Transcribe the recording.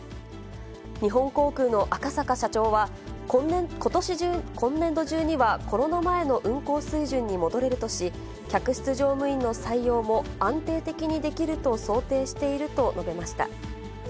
日本航空の赤坂社長は、今年度中にはコロナ前の運航水準に戻れるとし、客室乗務員の採用も安定的にできると想定していると述べました。